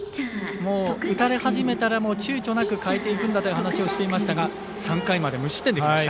もう、打たれ始めたらちゅうちょなく代えていくんだという話はしていましたが３回まで無失点できました。